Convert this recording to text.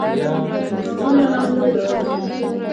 نوټونه لانده ول.